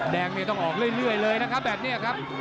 แดงนี่ต้องออกเรื่อยเลยนะครับแบบนี้ครับ